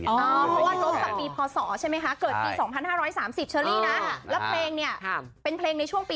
เพราะว่าลบกับปีพศใช่ไหมคะเกิดปี๒๕๓๐เชอรี่นะแล้วเพลงเนี่ยเป็นเพลงในช่วงปี๒๕